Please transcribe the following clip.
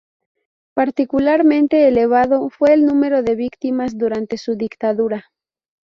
Particularmente elevado fue el número de víctimas durante su dictadura.